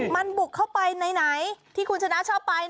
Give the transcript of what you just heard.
มันบุกเข้าไปไหนที่คุณชนะชอบไป